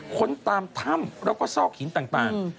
ค้นตามถ้ำแล้วก็ซอกหินต่าง